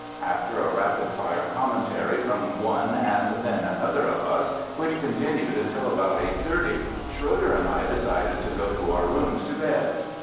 After a rapid fire commentary from one and then another of us which continued until about eight thirty, Schroe der and I decided to go to our rooms to bed.